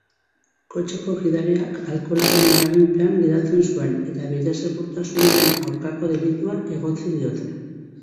Kotxeko gidariak alkoholaren eraginpean gidatzen zuen eta bide-segurtasunaren aurkako delitua egotzi diote.